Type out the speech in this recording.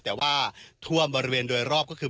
แต่ว่าท่วมบริเวณโดยรอบก็คือ